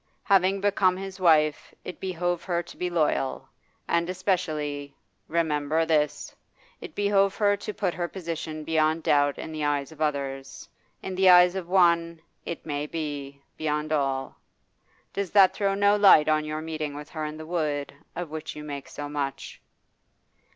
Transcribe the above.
Having become his wife, it behoved her to be loyal, and especially remember this it behoved her to put her position beyond doubt in the eyes of others, in the eyes of one, it may be, beyond all. Does that throw no light on your meeting with her in the wood, of which you make so much?